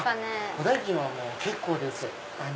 お代金は結構です。